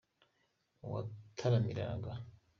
Uwagutaramiraga